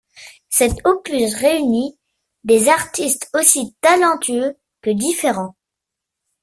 Cet opus réunit des artistes aussi talentueux que différents.